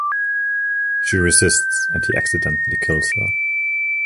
She resists and he accidentally kills her.